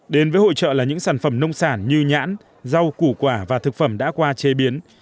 đến với hội trợ là những sản phẩm nông sản như nhãn rau củ quả và thực phẩm đã qua chế biến